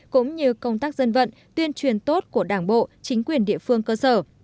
cũng như công tác dân vận tuyên truyền tốt của đảng bộ chính quyền địa phương cơ sở